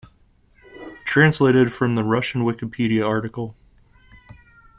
"Translated from the Russian Wikipedia article"